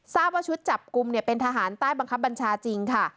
ทราบว่าชุดจับกลุ่มเป็นทหารใต้บังคับบัญชาจริงค่ะ